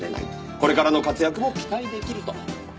「これからの活躍も期待出来る」と。